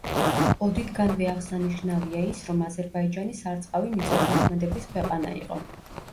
ოდითგანვე აღსანიშნავია ის, რომ აზერბაიჯანი სარწყავი მიწათმოქმედების ქვეყანა იყო.